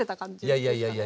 いやいやいやいや。